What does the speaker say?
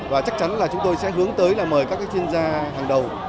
và chắc chắn là chúng tôi sẽ hướng tới là mời các chuyên gia hàng đầu